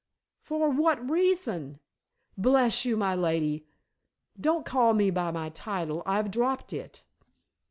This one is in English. "For what reason?" "Bless you, my lady " "Don't call me by my title. I've dropped it."